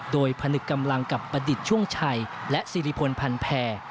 โดยพนึกกำลังกับประดิษฐ์ช่วงชัยและสิริพลพันแผ่